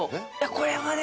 これはね